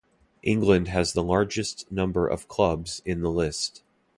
England has the largest number of clubs in the list.